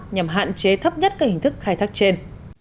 nhằm hạn chế thấp nhất các hình thức khai thác trên